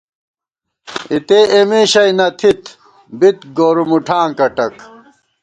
اِتےاِمےشئی نہ تھِت بِت گورُو مُٹھاں کٹَک